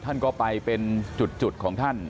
ท่านก็ไปเป็นจุดของท่าน